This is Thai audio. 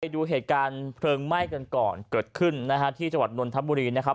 ดูเหตุการณ์เพลิงไหม้กันก่อนเกิดขึ้นนะฮะที่จังหวัดนนทบุรีนะครับ